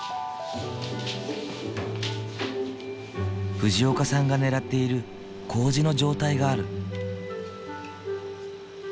藤岡さんがねらっている麹の状態がある。